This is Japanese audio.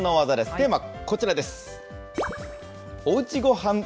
テーマ、こちらです。